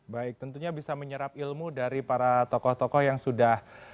baik tentunya bisa menyerap ilmu dari para tokoh tokoh yang sudah